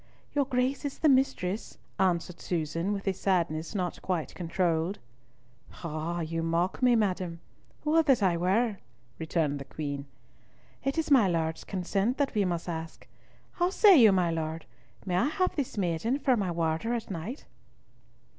"Your Grace is the mistress," answered Susan, with a sadness not quite controlled. "Ah! you mock me, madam. Would that I were!" returned the Queen. "It is my Lord's consent that we must ask. How say you, my Lord, may I have this maiden for my warder at night?"